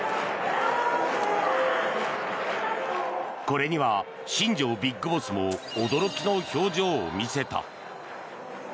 これには新庄ＢＩＧＢＯＳＳも驚きの表情を見せた。